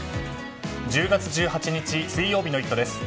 １０月１８日、水曜日の「イット！」です。